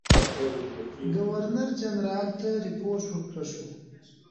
ګورنر جنرال ته رپوټ ورکړه شو.